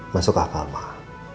masuk akal mah